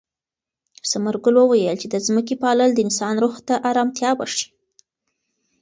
ثمرګل وویل چې د ځمکې پالل د انسان روح ته ارامتیا بښي.